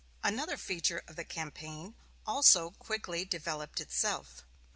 Another feature of the campaign also quickly developed itself.